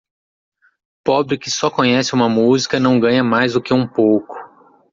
Pobre que só conhece uma música não ganha mais do que um pouco.